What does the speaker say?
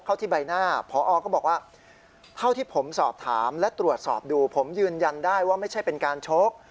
ที่ใบหน้าพอก็บอกว่าเท่าที่ผมสอบถามและตรวจสอบดูผมยืนยันได้ว่าไม่ใช่เป็นการชก